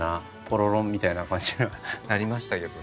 ポロロンみたいな感じにはなりましたけどね。